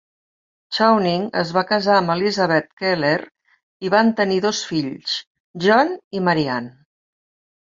Chowning es va casar amb Elisabeth Keller i van tenir dos fills, John i Marianne.